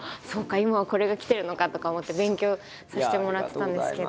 今はこれがきてるのかとか思って勉強させてもらってたんですけど。